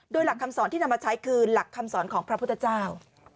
โดยหลักคำสอนที่นำมาใช้คือหลักคำสอนของพระพุทธเจ้า